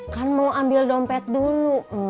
kan mau ambil dompet dulu